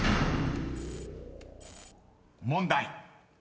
［問題］